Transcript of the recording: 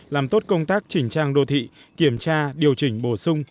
làm tốt công tác chỉnh trang đô thị kiểm tra điều chỉnh bổ sung